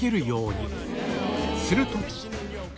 すると